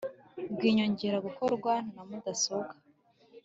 bw inyongera bukorwa na mudasobwa